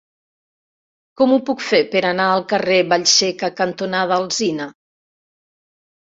Com ho puc fer per anar al carrer Vallseca cantonada Alzina?